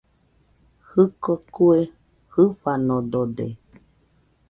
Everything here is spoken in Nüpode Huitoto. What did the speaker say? Jɨko kue jɨfanodode